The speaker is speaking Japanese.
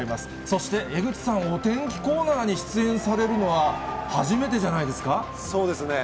そして、江口さん、お天気コーナーに出演されるのは初めてじゃなそうですね。